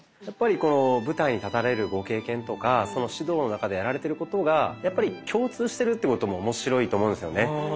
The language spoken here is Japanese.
やっぱりこの舞台に立たれるご経験とか指導の中でやられてることがやっぱり共通してるということも面白いと思うんですよね。